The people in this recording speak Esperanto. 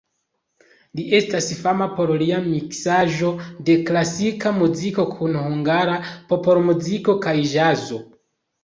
Li estas fama por lia miksaĵo de klasika muziko kun hungara popolmuziko kaj ĵazo.